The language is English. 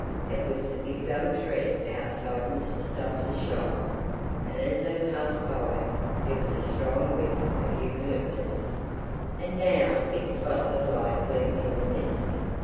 It was the big gum tree outside Mrs. Stubbs' shop, and as they passed by there was a strong whiff of eucalyptus. And now big spots of light gleamed in the mist.